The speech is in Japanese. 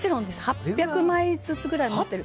８００枚ぐらいずつ持ってる。